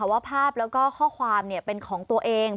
ว่าภาพแล้วก็ข้อความเป็นของตัวเอง